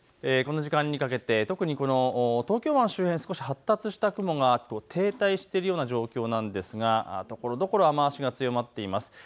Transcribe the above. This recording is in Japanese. この時間にかけて特に東京湾周辺、少し発達した雲が停滞しているような状況なんですがところどころ雨足が強まっています。